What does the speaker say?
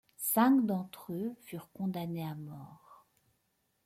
Cinq d'entre eux furent condamnés à mort.